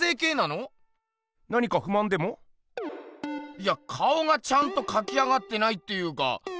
いや顔がちゃんとかき上がってないっていうか。